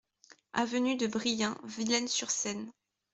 Avenue de Briens, Villennes-sur-Seine